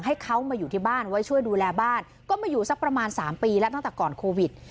ให้เขามาอยู่ที่บ้านไว้ช่วยดูแลบ้านก็มาอยู่สักประมาณ๓ปีแล้วตั้งแต่ก่อนโควิด